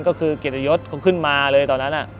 ก็คือเกียรติยศเขาขึ้นมาเลยตอนนั้น